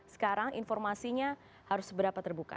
sekarang informasinya harus seberapa terbuka